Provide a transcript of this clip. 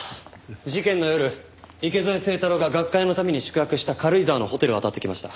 事件の夜池添清太郎が学会のために宿泊した軽井沢のホテルをあたってきました。